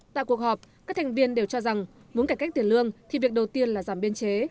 tại cuộc họp các thành viên đều cho rằng muốn cải cách tiền lương thì việc đầu tiên là giảm biên chế